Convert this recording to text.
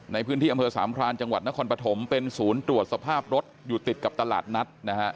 ในพื้นที่อำเภอสามพรานจังหวัดนครปฐมเป็นศูนย์ตรวจสภาพรถอยู่ติดกับตลาดนัดนะฮะ